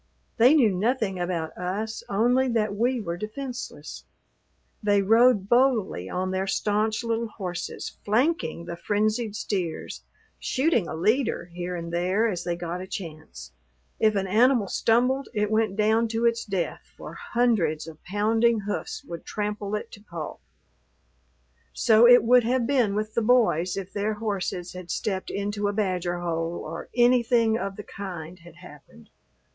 They knew nothing about us only that we were defenseless. They rode boldly on their stanch little horses flanking the frenzied steers, shooting a leader here and there as they got a chance. If an animal stumbled it went down to its death, for hundreds of pounding hoofs would trample it to pulp. So it would have been with the boys if their horses had stepped into a badger hole or anything of the kind had happened.